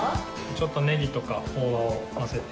ちょっとネギとかをのせて。